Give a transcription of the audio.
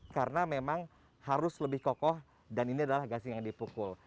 karena memang harus lebih kokoh dan ini adalah gasing yang dipukul